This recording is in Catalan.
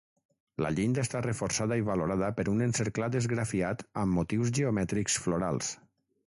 La llinda està reforçada i valorada per un encerclat esgrafiat amb motius geomètrics florals.